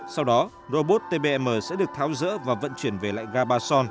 sau đó robot tbm sẽ được tháo dỡ và vận chuyển về lại gà ba son